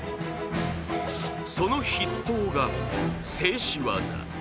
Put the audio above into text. その筆頭が、静止技。